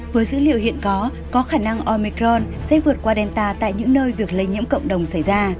với dữ liệu hiện có có khả năng omicron sẽ vượt qua delta tại những nơi việc lây nhiễm cộng đồng xảy ra